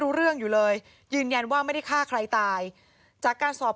รู้เรื่องอยู่เลยยืนยันว่าไม่ได้ฆ่าใครตายจากการสอบ